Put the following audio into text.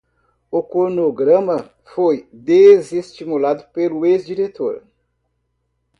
O cronograma foi desestimulado pelo ex-diretor